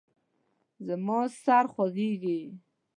زما سر خوږیږي